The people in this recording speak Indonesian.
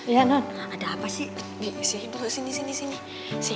ya udahlah udahlah